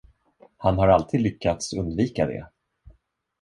Han har alltid lyckats undvika det.